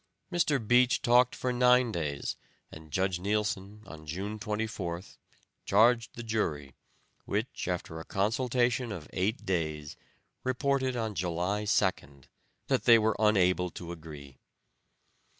Mr. Beach talked for nine days, and Judge Neilson, on June 24th, charged the jury, which, after a consultation of eight days, reported on July 2nd, that they were unable to agree.